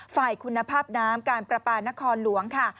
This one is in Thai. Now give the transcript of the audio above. ฝ่ายคุณภาพน้ำการประปานครหลวงค่ะ